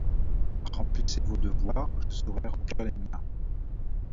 Remplissez vos devoirs, je saurai remplir les miens.